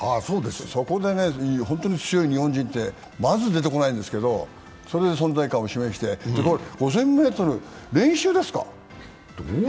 そこで本当に強い日本人ってまず出てこないんですけど、それで存在感を示して、５０００ｍ練習ですか？